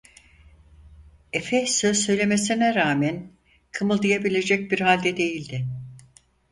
Efe söz söylemesine rağmen kımıldayabilecek bir halde değildi.